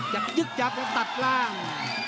น่ะยึดจับแล้วก็ตัดล่าง